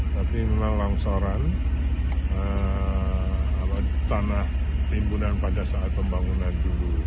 tapi memang longsoran tanah timbunan pada saat pembangunan dulu